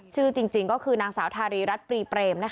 ชื่อจริงก็คือนางสาวทารีรัฐปรีเปรม